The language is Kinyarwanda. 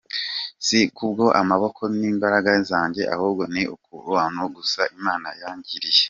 Si kubwo amaboko n’imbaraga zanjye ahubwo ni kubw’ubuntu gusa Imana yangiriye.